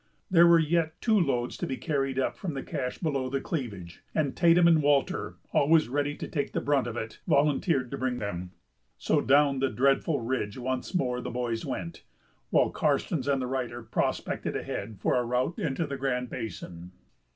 There were yet two loads to be carried up from the cache below the cleavage, and Tatum and Walter, always ready to take the brunt of it, volunteered to bring them. So down that dreadful ridge once more the boys went, while Karstens and the writer prospected ahead for a route into the Grand Basin.